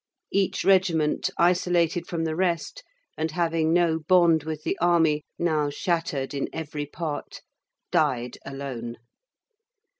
Each regiment, isolated from the rest, and having no bond with the army, now shattered in every part, died alone.